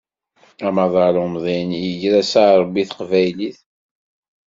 Amaḍal umḍin iger-as arebbi i teqbaylit.